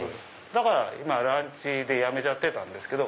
だからランチでやめてたんですけど。